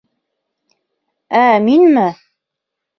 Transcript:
Ә минме?